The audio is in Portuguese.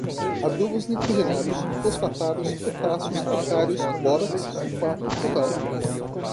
adubos nitrogenados, fosfatados, potássicos, calcários, bórax, sulfato, curral